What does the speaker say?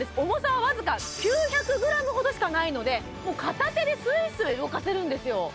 重さは僅か９００ｇほどしかないのでもう片手ですいすい動かせるんですよ